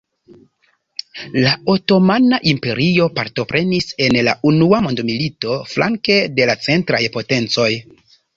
La Otomana Imperio partoprenis en la Unua Mondmilito flanke de la Centraj potencoj.